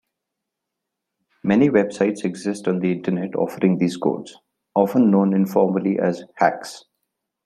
Many websites exist on the Internet offering these codes, often known informally as "hacks".